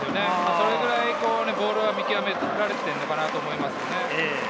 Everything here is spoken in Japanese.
それくらいボールを見極められていると思います。